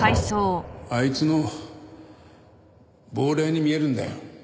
あいつの亡霊に見えるんだよ。